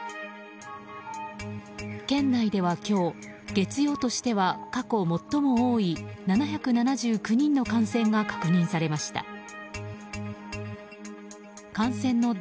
県内では今日月曜としては過去最も多い７７９人の感染が確認されました。